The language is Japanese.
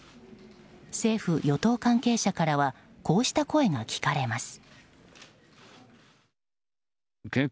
政府・与党関係者からはこうした声が聞かれます。